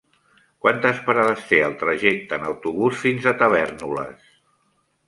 Quantes parades té el trajecte en autobús fins a Tavèrnoles?